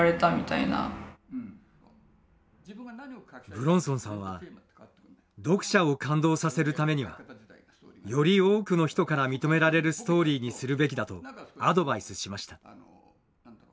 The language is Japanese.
武論尊さんは読者を感動させるためにはより多くの人から認められるストーリーにするべきだとアドバイスしました。